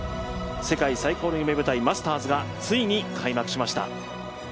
世界最高の夢舞台、マスターズがついに開幕しました。